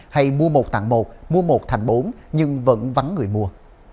hay mua một tặng một mua một thành bốn nhưng vẫn vắng người mua